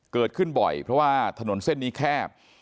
เกิดขึ้นบ่อยเพราะว่าถนนเส้นนี้แคบ